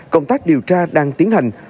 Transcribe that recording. công tác điều tra đang tiến hành